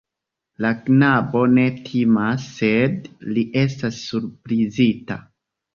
La knabo ne timas, sed li estas surprizita.